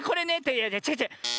いやちがうちがう。